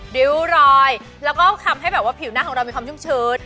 ริ้วรอยแล้วก็ทำให้แบบว่าผิวหน้าของเรามีความชุ่มเชิด